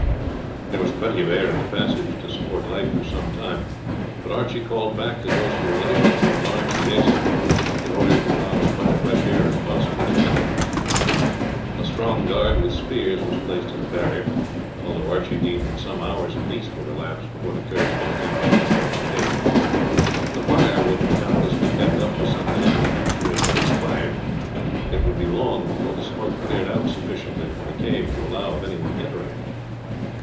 There was plenty of air in the passage to support life for some time, but Archie called back to those who were labouring to enlarge the exit, in order to allow as much fresh air as possible to enter. A strong guard, with spears, was placed at the barrier, although Archie deemed that some hours at least would elapse before the Kerrs could attempt to penetrate the cave. The fire would doubtless be kept up for some time, and after it had expired it would be long before the smoke cleared out sufficiently from the cave to allow of any one entering it.